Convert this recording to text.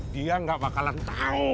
dia gak bakalan tau